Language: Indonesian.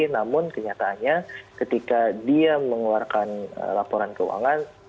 namun kenyataannya ketika dia mengeluarkan laporan keuangan